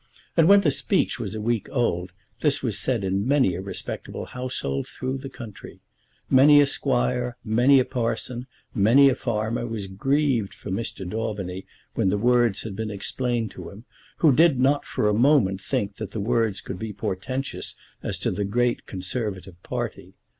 And when the speech was a week old this was said in many a respectable household through the country. Many a squire, many a parson, many a farmer was grieved for Mr. Daubeny when the words had been explained to him, who did not for a moment think that the words could be portentous as to the great Conservative party.